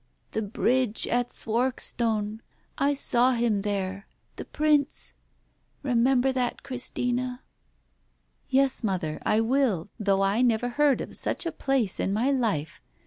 ... The Bridge at Swarkstone — I saw him there — the Prince. ... Remember that, Christina." "Yes, mother, I will, though I never heard of such a place in my life